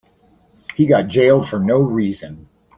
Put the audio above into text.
He got jailed for no reason.